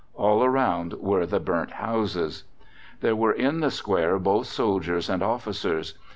All around were the burnt houses. "There were in the Square both soldiers and officers.